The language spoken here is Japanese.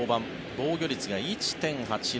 防御率が１．８０。